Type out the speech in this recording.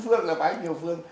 vãi tứ phương là vãi nhiều phương